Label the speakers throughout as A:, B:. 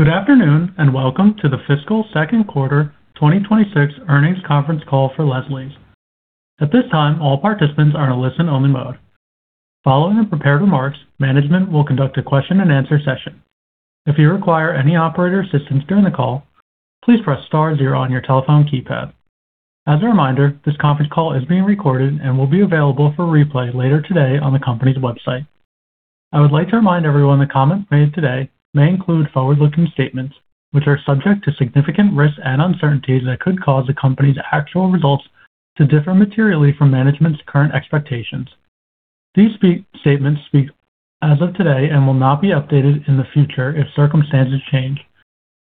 A: Good afternoon, welcome to the fiscal second quarter 2026 earnings conference call for Leslie's. At this time, all participants are in a listen-only mode. Following the prepared remarks, management will conduct a question-and-answer session. If you require any operator assistance during the call, please press star zero on your telephone keypad. As a reminder, this conference call is being recorded and will be available for replay later today on the company's website. I would like to remind everyone that comments made today may include forward-looking statements which are subject to significant risks and uncertainties that could cause the company's actual results to differ materially from management's current expectations. These statements speak as of today and will not be updated in the future if circumstances change.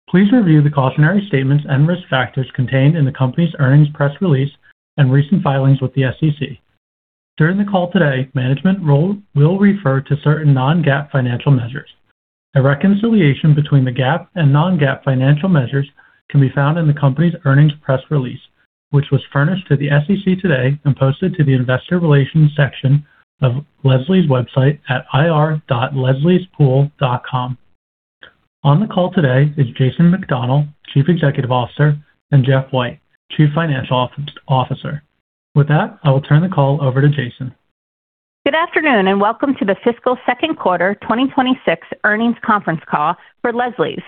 A: Please review the cautionary statements and risk factors contained in the company's earnings press release and recent filings with the SEC. During the call today, management will refer to certain non-GAAP financial measures. A reconciliation between the GAAP and non-GAAP financial measures can be found in the company's earnings press release, which was furnished to the SEC today and posted to the investor relations section of Leslie's website at ir.lesliespool.com. On the call today is Jason McDonell, Chief Executive Officer, and Jeff White, Chief Financial Officer. With that, I will turn the call over to Jason. Good afternoon. Welcome to the fiscal second quarter 2026 earnings conference call for Leslie's.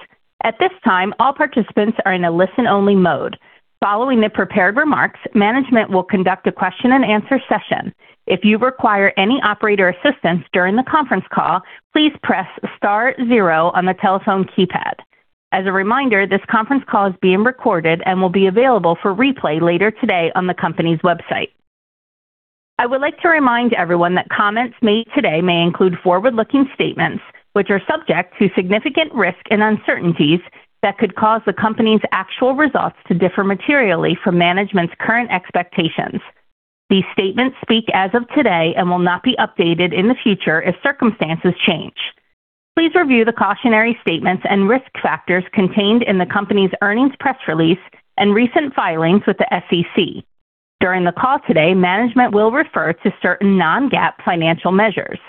A: At this time, all participants are in a listen-only mode. Following the prepared remarks, management will conduct a question-and-answer session. If you require any operator assistance during the conference call, please press star zero on the telephone keypad. As a reminder, this conference call is being recorded and will be available for replay later today on the company's website. I would like to remind everyone that comments made today may include forward-looking statements which are subject to significant risk and uncertainties that could cause the company's actual results to differ materially from management's current expectations. These statements speak as of today and will not be updated in the future if circumstances change. Please review the cautionary statements and risk factors contained in the company's earnings press release and recent filings with the SEC. During the call today, management will refer to certain non-GAAP financial measures.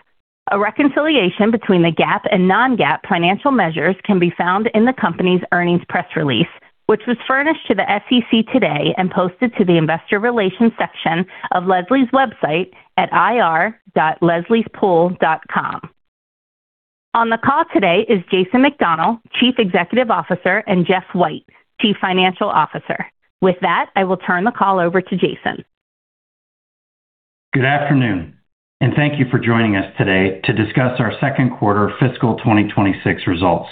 A: A reconciliation between the GAAP and non-GAAP financial measures can be found in the company's earnings press release, which was furnished to the SEC today and posted to the investor relations section of Leslie's website at ir.lesliespool.com. On the call today is Jason McDonell, Chief Executive Officer, and Jeff White, Chief Financial Officer. With that, I will turn the call over to Jason.
B: Good afternoon, and thank you for joining us today to discuss our second quarter fiscal 2026 results.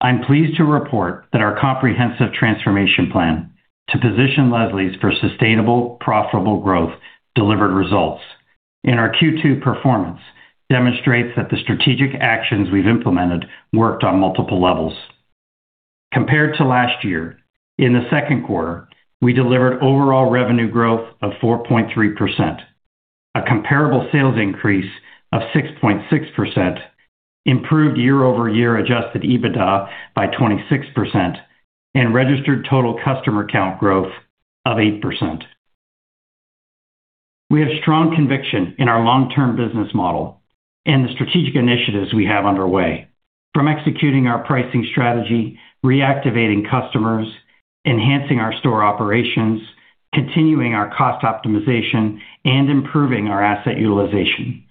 B: I'm pleased to report that our comprehensive transformation plan to position Leslie's for sustainable, profitable growth delivered results, and our Q2 performance demonstrates that the strategic actions we've implemented worked on multiple levels. Compared to last year, in the second quarter, we delivered overall revenue growth of 4.3%, a comparable sales increase of 6.6%, improved year-over-year adjusted EBITDA by 26%, and registered total customer count growth of 8%. We have strong conviction in our long-term business model and the strategic initiatives we have underway from executing our pricing strategy, reactivating customers, enhancing our store operations, continuing our cost optimization, and improving our asset utilization,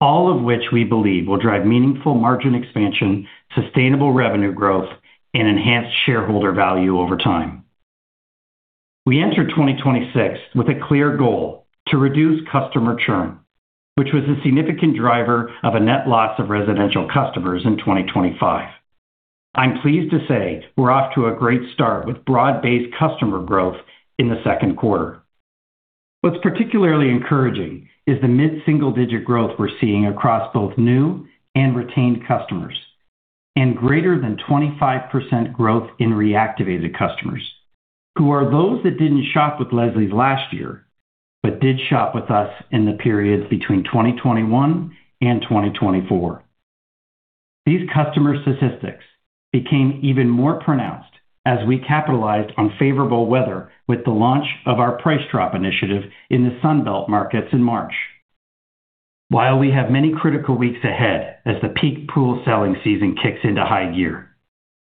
B: all of which we believe will drive meaningful margin expansion, sustainable revenue growth, and enhanced shareholder value over time. We entered 2026 with a clear goal to reduce customer churn, which was a significant driver of a net loss of residential customers in 2025. I'm pleased to say we're off to a great start with broad-based customer growth in the second quarter. What's particularly encouraging is the mid-single-digit growth we're seeing across both new and retained customers and greater than 25% growth in reactivated customers who are those that didn't shop with Leslie's last year but did shop with us in the periods between 2021 and 2024. These customer statistics became even more pronounced as we capitalized on favorable weather with the launch of our Price Drop initiative in the Sun Belt markets in March. While we have many critical weeks ahead as the peak pool selling season kicks into high gear,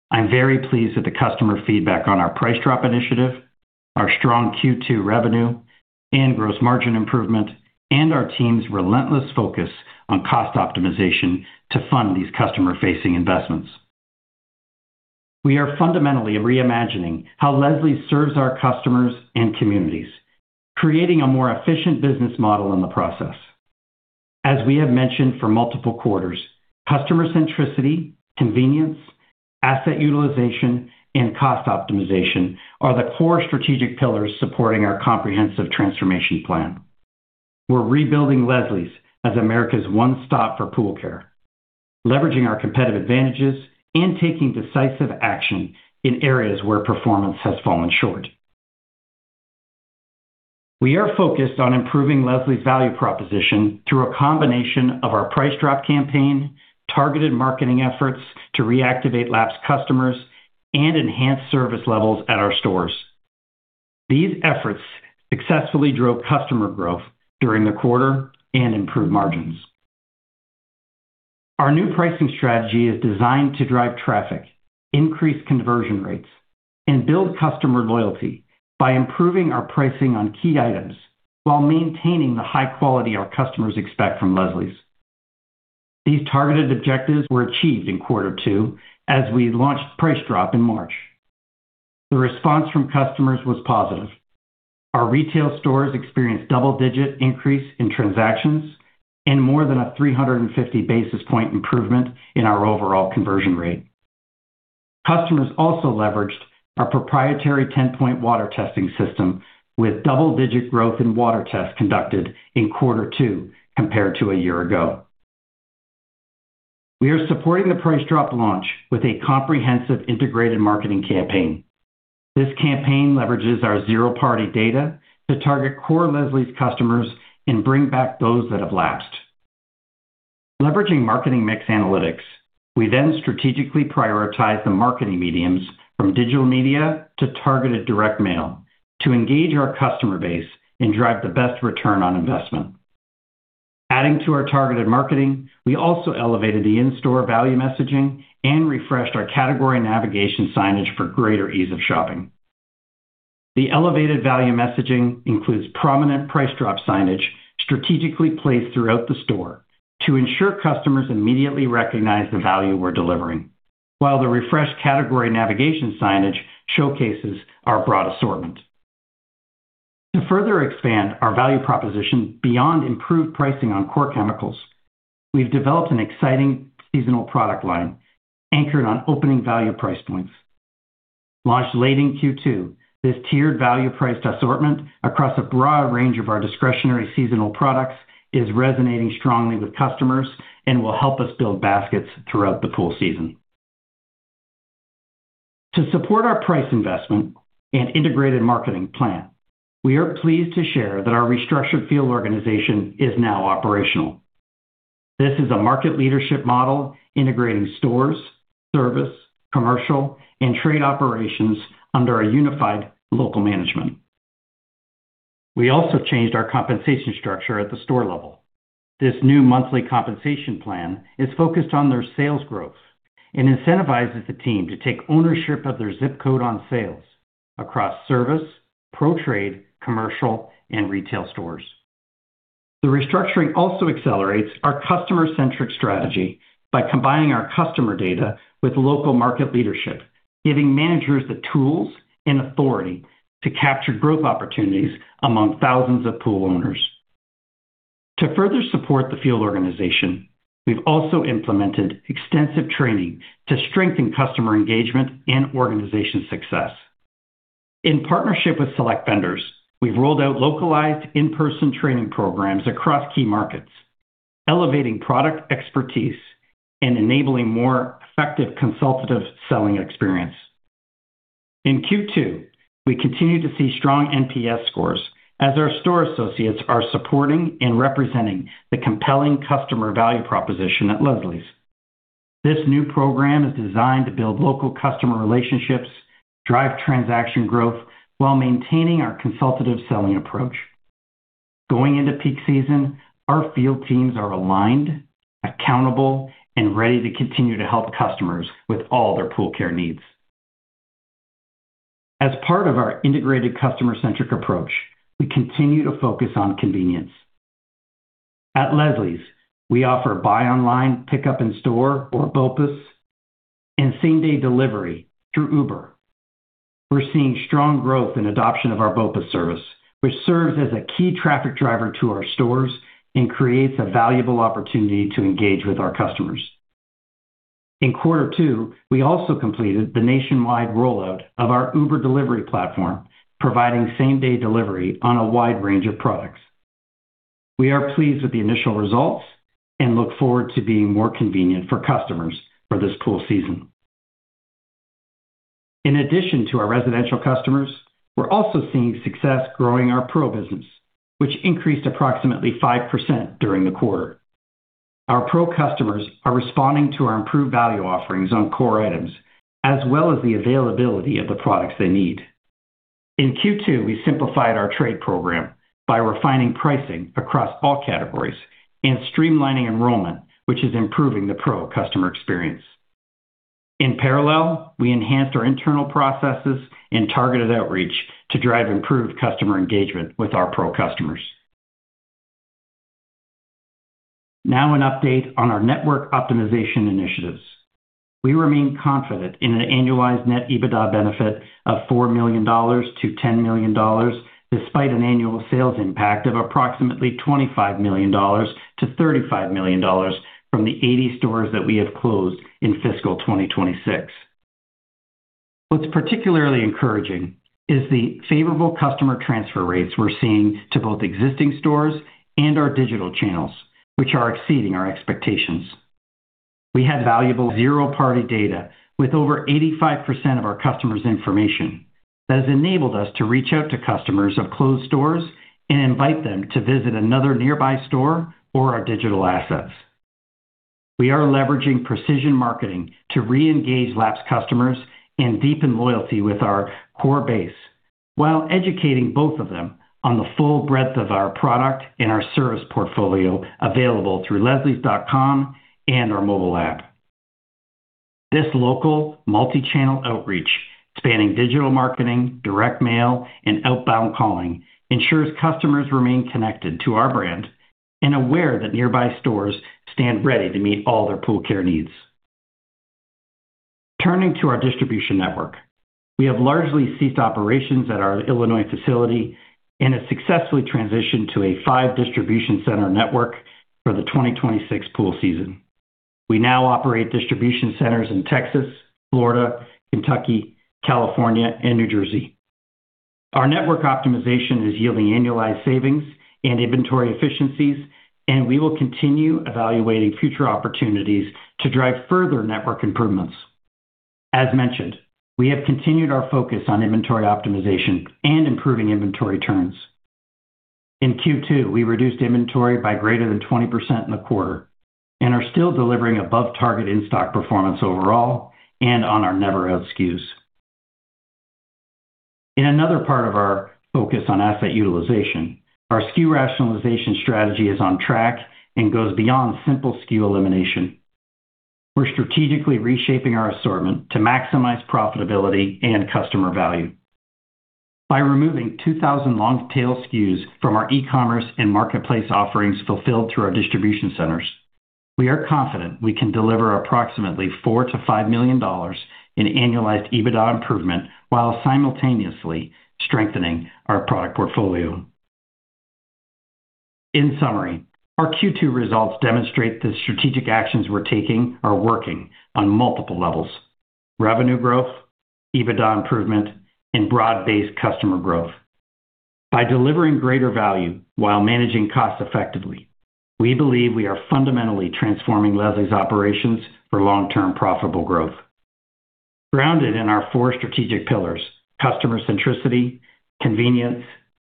B: I'm very pleased with the customer feedback on our Price Drop initiative, our strong Q2 revenue and gross margin improvement, and our team's relentless focus on cost optimization to fund these customer-facing investments. We are fundamentally reimagining how Leslie's serves our customers and communities, creating a more efficient business model in the process. As we have mentioned for multiple quarters, customer centricity, convenience, asset utilization, and cost optimization are the core strategic pillars supporting our comprehensive transformation plan. We're rebuilding Leslie's as America's one-stop for pool care, leveraging our competitive advantages and taking decisive action in areas where performance has fallen short. We are focused on improving Leslie's value proposition through a combination of our Price Drop campaign, targeted marketing efforts to reactivate lapsed customers, and enhance service levels at our stores. These efforts successfully drove customer growth during the quarter and improved margins. Our new pricing strategy is designed to drive traffic, increase conversion rates, and build customer loyalty by improving our pricing on key items while maintaining the high quality our customers expect from Leslie's. These targeted objectives were achieved in quarter two as we launched Price Drop in March. The response from customers was positive. Our retail stores experienced double-digit increase in transactions and more than a 350 basis point improvement in our overall conversion rate. Customers also leveraged our proprietary 10-point water testing system with double-digit growth in water tests conducted in quarter two compared to a year ago. We are supporting the Price Drop launch with a comprehensive integrated marketing campaign. This campaign leverages our zero-party data to target core Leslie's customers and bring back those that have lapsed. Leveraging marketing mix analytics, we then strategically prioritize the marketing mediums from digital media to targeted direct mail to engage our customer base and drive the best return on investment. Adding to our targeted marketing, we also elevated the in-store value messaging and refreshed our category navigation signage for greater ease of shopping. The elevated value messaging includes prominent Price Drop signage strategically placed throughout the store to ensure customers immediately recognize the value we're delivering, while the refreshed category navigation signage showcases our broad assortment. To further expand our value proposition beyond improved pricing on core chemicals, we've developed an exciting seasonal product line anchored on opening value price points. Launched late in Q2, this tiered value-priced assortment across a broad range of our discretionary seasonal products is resonating strongly with customers and will help us build baskets throughout the pool season. To support our price investment and integrated marketing plan, we are pleased to share that our restructured field organization is now operational. This is a market leadership model integrating stores, service, commercial, and trade operations under a unified local management. We also changed our compensation structure at the store level. This new monthly compensation plan is focused on their sales growth and incentivizes the team to take ownership of their zip code on sales across service, pro trade, commercial, and retail stores. The restructuring also accelerates our customer-centric strategy by combining our customer data with local market leadership, giving managers the tools and authority to capture growth opportunities among thousands of pool owners. To further support the field organization, we've also implemented extensive training to strengthen customer engagement and organization success. In partnership with select vendors, we've rolled out localized in-person training programs across key markets, elevating product expertise and enabling more effective consultative selling experience. In Q2, we continue to see strong NPS scores as our store associates are supporting and representing the compelling customer value proposition at Leslie's. This new program is designed to build local customer relationships, drive transaction growth while maintaining our consultative selling approach. Going into peak season, our field teams are aligned, accountable, and ready to continue to help customers with all their pool care needs. As part of our integrated customer-centric approach, we continue to focus on convenience. At Leslie's, we offer buy online, pickup in-store, or BOPUS, and same-day delivery through Uber. We're seeing strong growth in adoption of our BOPUS service, which serves as a key traffic driver to our stores and creates a valuable opportunity to engage with our customers. In quarter two, we also completed the nationwide rollout of our Uber delivery platform, providing same-day delivery on a wide range of products. We are pleased with the initial results and look forward to being more convenient for customers for this pool season. In addition to our residential customers, we're also seeing success growing our Pro business, which increased approximately 5% during the quarter. Our Pro customers are responding to our improved value offerings on core items, as well as the availability of the products they need. In Q2, we simplified our trade program by refining pricing across all categories and streamlining enrollment, which is improving the Pro customer experience. In parallel, we enhanced our internal processes and targeted outreach to drive improved customer engagement with our Pro customers. Now an update on our network optimization initiatives. We remain confident in an annualized net EBITDA benefit of $4 million-$10 million, despite an annual sales impact of approximately $25 million-$35 million from the 80 stores that we have closed in fiscal 2026. What's particularly encouraging is the favorable customer transfer rates we're seeing to both existing stores and our digital channels, which are exceeding our expectations. We have valuable zero-party data with over 85% of our customers' information that has enabled us to reach out to customers of closed stores and invite them to visit another nearby store or our digital assets. We are leveraging precision marketing to re-engage lapsed customers and deepen loyalty with our core base, while educating both of them on the full breadth of our product and our service portfolio available through lesliespool.com and our mobile app. This local multi-channel outreach, spanning digital marketing, direct mail, and outbound calling ensures customers remain connected to our brand and aware that nearby stores stand ready to meet all their pool care needs. Turning to our distribution network, we have largely ceased operations at our Illinois facility and have successfully transitioned to a five distribution center network for the 2026 pool season. We now operate distribution centers in Texas, Florida, Kentucky, California, and New Jersey. Our network optimization is yielding annualized savings and inventory efficiencies, and we will continue evaluating future opportunities to drive further network improvements. As mentioned, we have continued our focus on inventory optimization and improving inventory turns. In Q2, we reduced inventory by greater than 20% in the quarter and are still delivering above target in-stock performance overall and on our never out SKUs. In another part of our focus on asset utilization, our SKU rationalization strategy is on track and goes beyond simple SKU elimination. We're strategically reshaping our assortment to maximize profitability and customer value. By removing 2,000 long tail SKUs from our e-commerce and marketplace offerings fulfilled through our distribution centers, we are confident we can deliver approximately $4 million-$5 million in annualized EBITDA improvement while simultaneously strengthening our product portfolio. In summary, our Q2 results demonstrate the strategic actions we're taking are working on multiple levels: revenue growth, EBITDA improvement, and broad-based customer growth. By delivering greater value while managing costs effectively, we believe we are fundamentally transforming Leslie's operations for long-term profitable growth. Grounded in our four strategic pillars, customer centricity, convenience,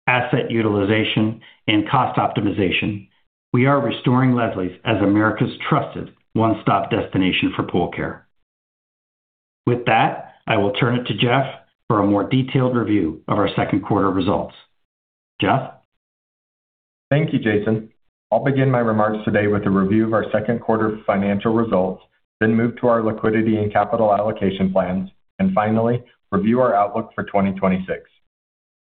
B: asset utilization, and cost optimization, we are restoring Leslie's as America's trusted one-stop destination for pool care. With that, I will turn it to Jeff for a more detailed review of our second quarter results. Jeff?
C: Thank you, Jason. I'll begin my remarks today with a review of our second quarter financial results, then move to our liquidity and capital allocation plans, and finally review our outlook for 2026.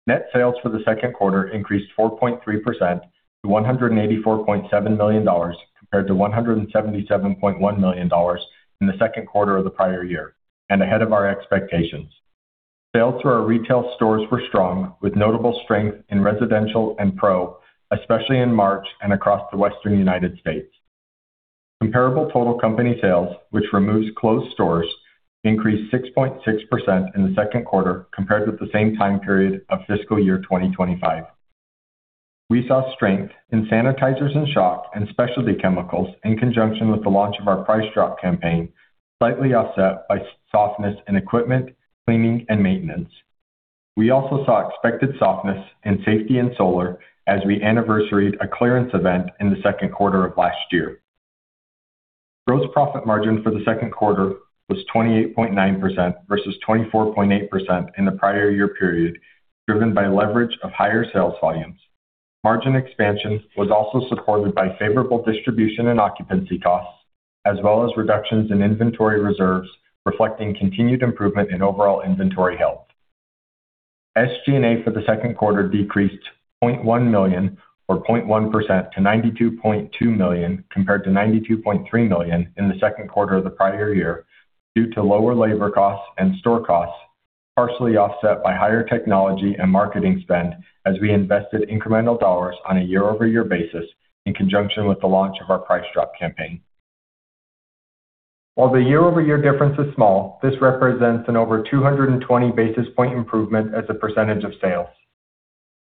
C: Net sales for the second quarter increased 4.3% to $184.7 million compared to $177.1 million in the second quarter of the prior year and ahead of our expectations. Sales through our retail stores were strong with notable strength in residential and pro, especially in March and across the Western United States. Comparable total company sales, which removes closed stores, increased 6.6% in the second quarter compared with the same time period of fiscal year 2025. We saw strength in sanitizers and shock and specialty chemicals in conjunction with the launch of our Price Drop campaign, slightly offset by softness in equipment, cleaning, and maintenance. We also saw expected softness in safety and solar as we anniversaried a clearance event in the second quarter of last year. Gross profit margin for the second quarter was 28.9% versus 24.8% in the prior year period, driven by leverage of higher sales volumes. Margin expansion was also supported by favorable distribution and occupancy costs, as well as reductions in inventory reserves, reflecting continued improvement in overall inventory health. SG&A for the second quarter decreased $0.1 million or 0.1% to $92.2 million compared to $92.3 million in the second quarter of the prior year due to lower labor costs and store costs, partially offset by higher technology and marketing spend as we invested incremental dollars on a year-over-year basis in conjunction with the launch of our Price Drop campaign. While the year-over-year difference is small, this represents an over 220 basis point improvement as a percentage of sales.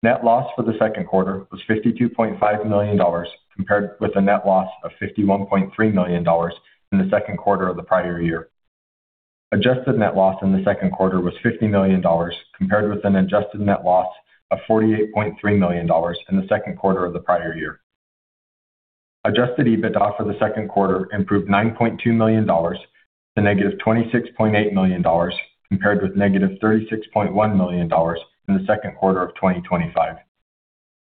C: Net loss for the second quarter was $52.5 million compared with a net loss of $51.3 million in the second quarter of the prior year. Adjusted net loss in the second quarter was $50 million compared with an adjusted net loss of $48.3 million in the second quarter of the prior year. Adjusted EBITDA for the second quarter improved $9.2 million to -$26.8 million, compared with -$36.1 million in the second quarter of 2025.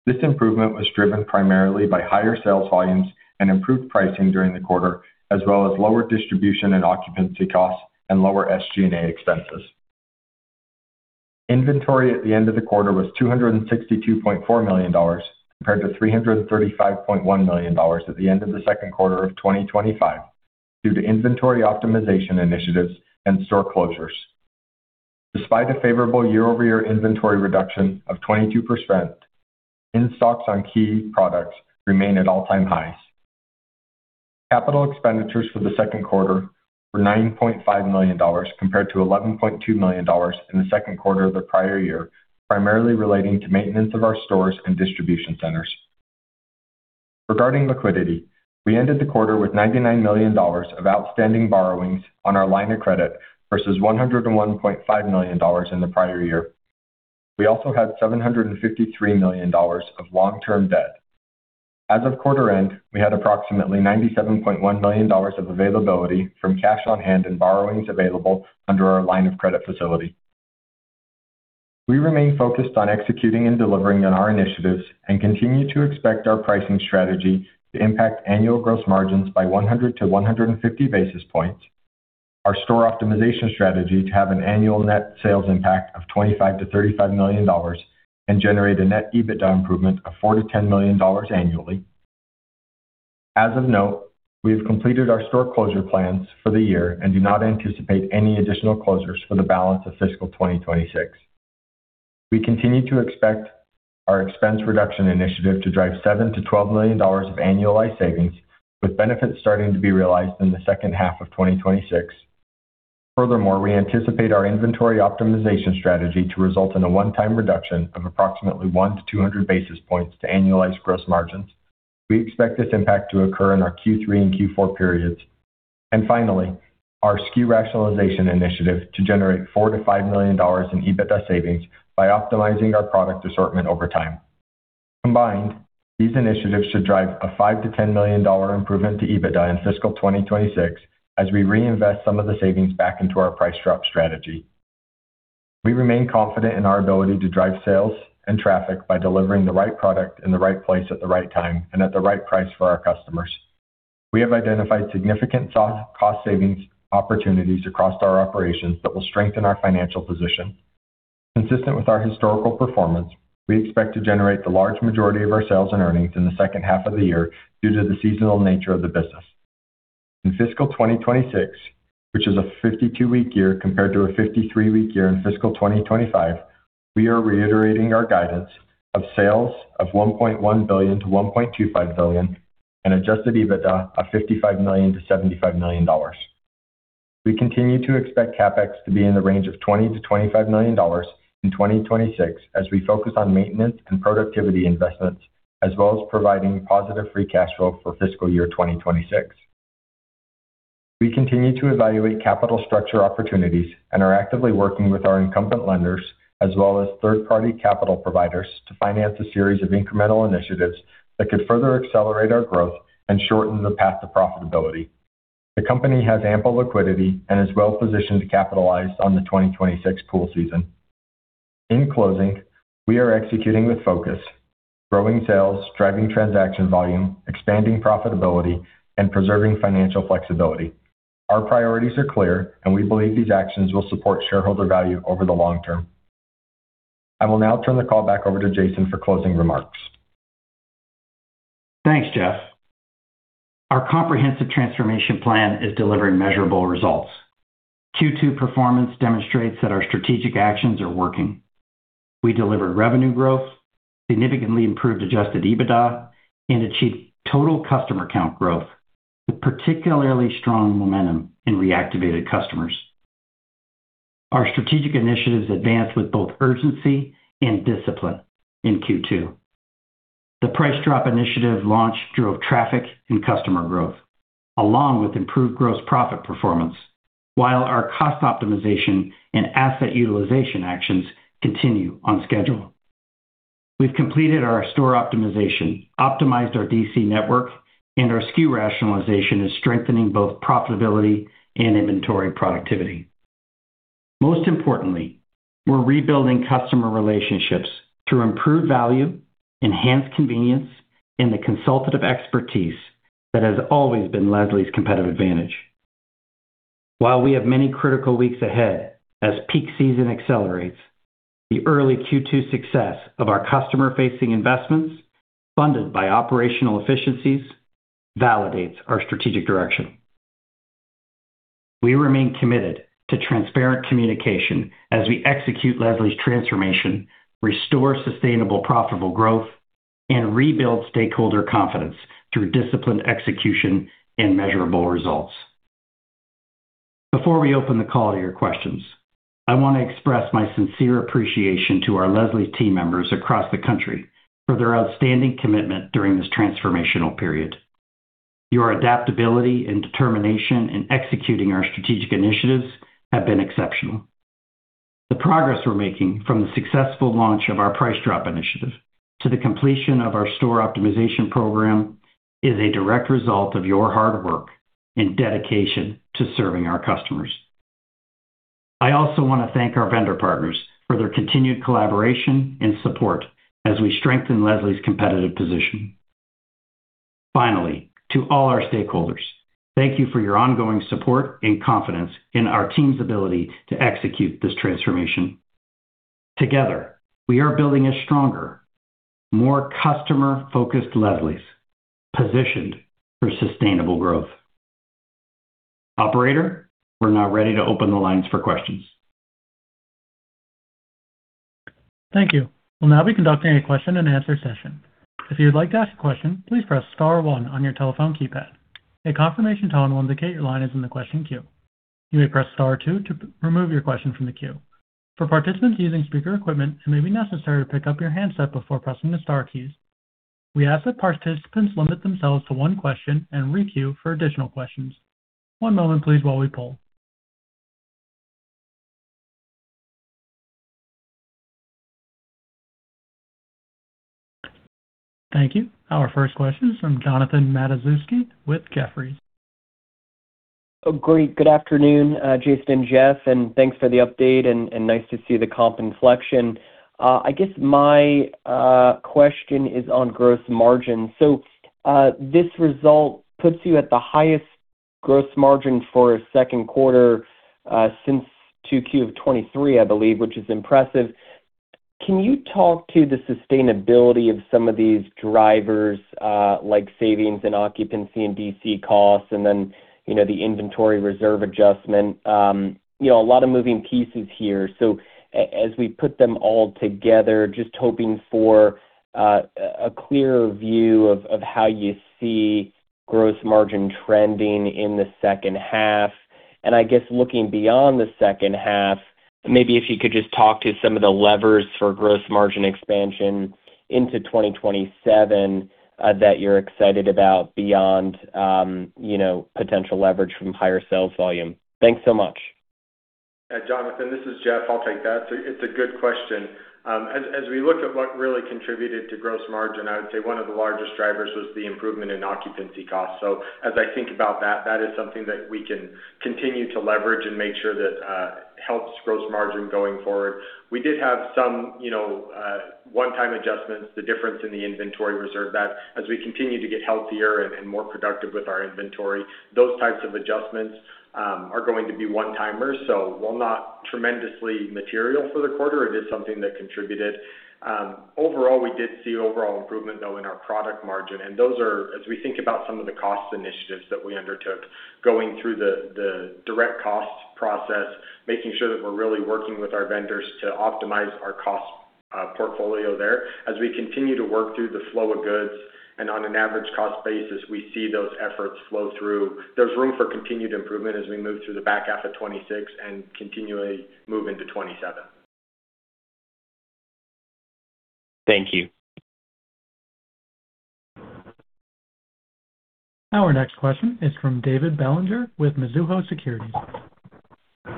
C: This improvement was driven primarily by higher sales volumes and improved pricing during the quarter, as well as lower distribution and occupancy costs and lower SG&A expenses. Inventory at the end of the quarter was $262.4 million compared to $335.1 million at the end of the second quarter of 2025 due to inventory optimization initiatives and store closures. Despite a favorable year-over-year inventory reduction of 22%, in-stocks on key products remain at all-time highs. Capital expenditures for the second quarter were $9.5 million compared to $11.2 million in the second quarter of the prior year, primarily relating to maintenance of our stores and distribution centers. Regarding liquidity, we ended the quarter with $99 million of outstanding borrowings on our line of credit versus $101.5 million in the prior year. We also had $753 million of long-term debt. As of quarter end, we had approximately $97.1 million of availability from cash on hand and borrowings available under our line of credit facility. We remain focused on executing and delivering on our initiatives and continue to expect our pricing strategy to impact annual gross margins by 100 basis points-150 basis points. Our store optimization strategy to have an annual net sales impact of $25 million-$35 million and generate a net EBITDA improvement of $4 million-$10 million annually. As of now, we have completed our store closure plans for the year and do not anticipate any additional closures for the balance of fiscal 2026. We continue to expect our expense reduction initiative to drive $7 million-$12 million of annualized savings, with benefits starting to be realized in the second half of 2026. Furthermore, we anticipate our inventory optimization strategy to result in a one-time reduction of approximately 100 basis points-200 basis points to annualized gross margins. We expect this impact to occur in our Q3 and Q4 periods. Finally, our SKU rationalization initiative to generate $4 million-$5 million in EBITDA savings by optimizing our product assortment over time. Combined, these initiatives should drive a $5 million-$10 million improvement to EBITDA in fiscal 2026 as we reinvest some of the savings back into our Price Drop strategy. We remain confident in our ability to drive sales and traffic by delivering the right product in the right place at the right time and at the right price for our customers. We have identified significant cost savings opportunities across our operations that will strengthen our financial position. Consistent with our historical performance, we expect to generate the large majority of our sales and earnings in the second half of the year due to the seasonal nature of the business. In fiscal 2026, which is a 52-week year compared to a 53-week year in fiscal 2025, we are reiterating our guidance of sales of $1.1 billion-$1.25 billion and adjusted EBITDA of $55 million-$75 million. We continue to expect CapEx to be in the range of $20 million-$25 million in 2026 as we focus on maintenance and productivity investments, as well as providing positive free cash flow for fiscal year 2026. We continue to evaluate capital structure opportunities and are actively working with our incumbent lenders as well as third-party capital providers to finance a series of incremental initiatives that could further accelerate our growth and shorten the path to profitability. The company has ample liquidity and is well positioned to capitalize on the 2026 pool season. In closing, we are executing with focus, growing sales, driving transaction volume, expanding profitability, and preserving financial flexibility. Our priorities are clear. We believe these actions will support shareholder value over the long term. I will now turn the call back over to Jason for closing remarks.
B: Thanks, Jeff. Our comprehensive transformation plan is delivering measurable results. Q2 performance demonstrates that our strategic actions are working. We delivered revenue growth, significantly improved adjusted EBITDA, and achieved total customer count growth with particularly strong momentum in reactivated customers. Our strategic initiatives advanced with both urgency and discipline in Q2. The Price Drop initiative launch drove traffic and customer growth, along with improved gross profit performance, while our cost optimization and asset utilization actions continue on schedule. We've completed our store optimization, optimized our DC network, and our SKU rationalization is strengthening both profitability and inventory productivity. Most importantly, we're rebuilding customer relationships through improved value, enhanced convenience, and the consultative expertise that has always been Leslie's competitive advantage. While we have many critical weeks ahead as peak season accelerates, the early Q2 success of our customer-facing investments, funded by operational efficiencies, validates our strategic direction. We remain committed to transparent communication as we execute Leslie's transformation, restore sustainable profitable growth, and rebuild stakeholder confidence through disciplined execution and measurable results. Before we open the call to your questions, I want to express my sincere appreciation to our Leslie team members across the country for their outstanding commitment during this transformational period. Your adaptability and determination in executing our strategic initiatives have been exceptional. The progress we're making from the successful launch of our Price Drop initiative to the completion of our store optimization program is a direct result of your hard work and dedication to serving our customers. I also want to thank our vendor partners for their continued collaboration and support as we strengthen Leslie's competitive position. Finally, to all our stakeholders, thank you for your ongoing support and confidence in our team's ability to execute this transformation. Together, we are building a stronger, more customer-focused Leslie's positioned for sustainable growth. Operator, we're now ready to open the lines for questions.
A: Thank you. We'll now be conducting a question-and-answer session. If you'd like to ask a question, please press star one on your telephone keypad. A confirmation tone will indicate your line is in the question queue. You may press star two to remove your question from the queue. For participants using speaker equipment, it may be necessary to pick up your handset before pressing the star keys. We ask that participants limit themselves to one question and re-queue for additional questions. One moment please while we poll. Thank you. Our first question is from Jonathan Matuszewski with Jefferies.
D: Great. Good afternoon, Jason and Jeff, and thanks for the update and nice to see the comp inflection. I guess my question is on gross margin. This result puts you at the highest gross margin for a second quarter since Q2 of 2023, I believe, which is impressive. Can you talk to the sustainability of some of these drivers, like savings and occupancy and DC costs and then, you know, the inventory reserve adjustment? You know, a lot of moving pieces here. As we put them all together, just hoping for a clearer view of how you see gross margin trending in the second half. I guess looking beyond the second half, maybe if you could just talk to some of the levers for gross margin expansion into 2027 that you're excited about beyond, you know, potential leverage from higher sales volume. Thanks so much.
C: Yeah. Jonathan, this is Jeff. I'll take that. It's a good question. As we look at what really contributed to gross margin, I would say one of the largest drivers was the improvement in occupancy costs. As I think about that is something that we can continue to leverage and make sure that helps gross margin going forward. We did have some, you know, one-time adjustments, the difference in the inventory reserve, that as we continue to get healthier and more productive with our inventory, those types of adjustments are going to be one-timers. While not tremendously material for the quarter, it is something that contributed. Overall, we did see overall improvement though in our product margin, and those are as we think about some of the cost initiatives that we undertook, going through the direct cost process, making sure that we're really working with our vendors to optimize our cost portfolio there. As we continue to work through the flow of goods and on an average cost basis, we see those efforts flow through. There's room for continued improvement as we move through the back half of 2026 and continually move into 2027.
D: Thank you.
A: Our next question is from David Bellinger with Mizuho Securities.
E: Hey,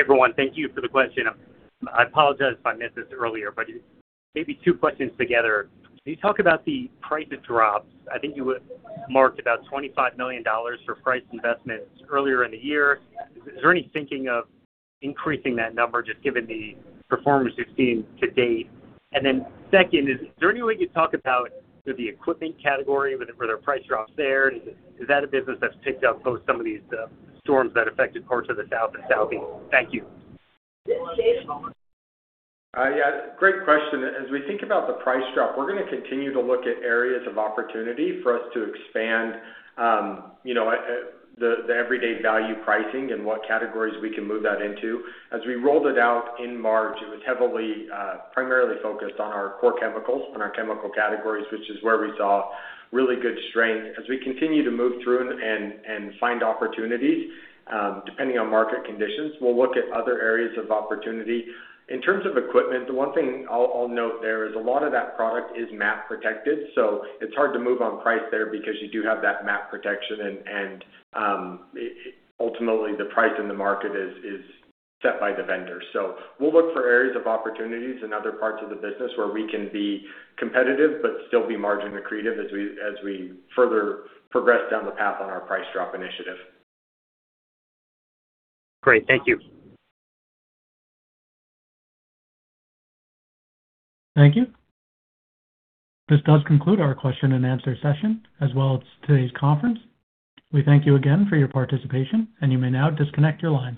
E: everyone. Thank you for the question. I apologize if I missed this earlier, maybe two questions together. Can you talk about the Price Drop? I think you had marked about $25 million for price investments earlier in the year. Is there any thinking of increasing that number, just given the performance you've seen to date? Second, is there any way you can talk about the equipment category? Were there Price Drops there? Is that a business that's picked up post some of these storms that affected parts of the South and Southeast? Thank you.
C: Yeah, great question. As we think about the Price Drop, we're gonna continue to look at areas of opportunity for us to expand, you know, the everyday value pricing and what categories we can move that into. As we rolled it out in March, it was heavily, primarily focused on our core chemicals and our chemical categories, which is where we saw really good strength. As we continue to move through and find opportunities, depending on market conditions, we'll look at other areas of opportunity. In terms of equipment, the one thing I'll note there is a lot of that product is MAP-protected. It's hard to move on price there because you do have that MAP protection and ultimately, the price in the market is set by the vendor. We'll look for areas of opportunities in other parts of the business where we can be competitive but still be margin accretive as we further progress down the path on our Price Drop initiative.
E: Great. Thank you.
A: Thank you. This does conclude our question and answer session, as well as today's conference. We thank you again for your participation, and you may now disconnect your line.